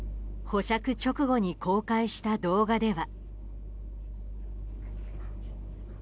保釈直後に公開した動画では。